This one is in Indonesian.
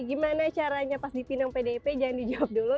gimana caranya pas dipinang pdip jangan dijawab dulu